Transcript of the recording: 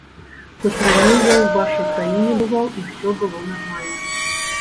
Хоць раней я ў вашай краіне бываў і ўсё было нармальна.